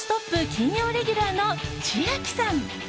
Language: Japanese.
金曜レギュラーの千秋さん。